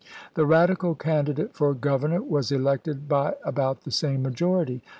The Radical candidate for governor ises. was elected by about the same majority.